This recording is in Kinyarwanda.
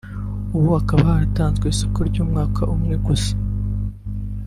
ubu hakaba haratanzwe isoko ry’umwaka umwe gusa